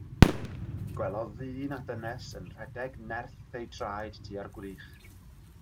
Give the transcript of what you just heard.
Gwelodd ddyn a dynes yn rhedeg nerth eu traed tua'r gwrych.